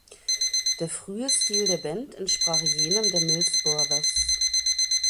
Der frühe Stil der Band entsprach jenem der Mills Brothers.